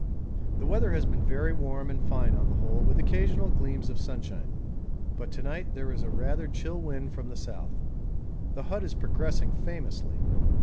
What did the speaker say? The weather has been very warm and fine on the whole, with occasional gleams of sunshine, but to night there is a rather chill wind from the south. The hut is progressing famously.